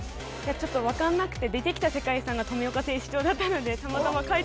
ちょっと分かんなくて出てきた世界遺産が富岡製糸場だったので・